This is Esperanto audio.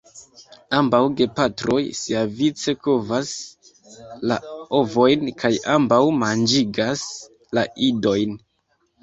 Ambaŭ gepatroj siavice kovas la ovojn kaj ambaŭ manĝigas la idojn.